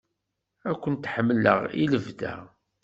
Ad ken-ḥemmleɣ i lebda!